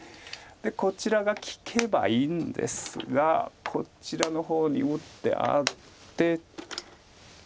こちらが利けばいいんですがこちらの方に打ってアテて。